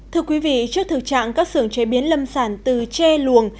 thưa quý vị trước thực trạng các xưởng chế biến lâm sản từ tre luồng